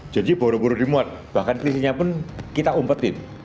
jadi baru baru dimuat bahkan klisinya pun kita umpetin